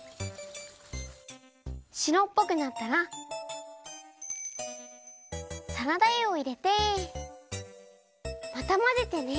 しろっぽくなったらサラダ油をいれてまたまぜてね。